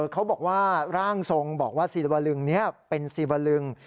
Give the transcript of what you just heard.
เขาบอกว่าร่างทรงบอกว่าศิริวลึงนี้เป็นซีวลึง